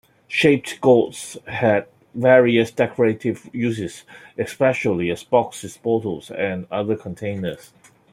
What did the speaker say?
Shaped gourds had various decorative uses, especially as boxes, bottles and other containers.